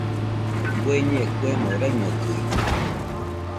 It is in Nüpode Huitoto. Bueñe kuemo raiñokɨide